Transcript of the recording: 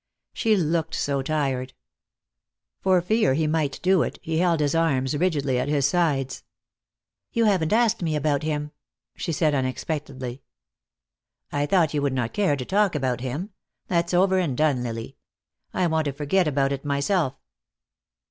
She looked so tired. For fear he might do it he held his arms rigidly at his sides. "You haven't asked me about him," she said unexpectedly. "I thought you would not care to talk about him. That's over and done, Lily. I want to forget about it, myself."